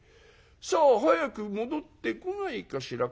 「さあ早く戻ってこないかしら」